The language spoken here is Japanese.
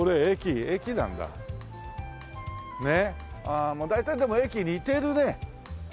ああ大体でも駅似てるね